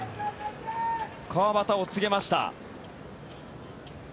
川端を告げました。